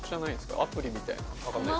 アプリみたいな。